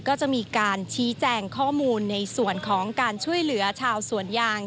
ก็จะมีการชี้แจงข้อมูลในส่วนของการช่วยเหลือชาวสวนยาง